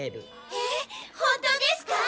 えっ本当ですか？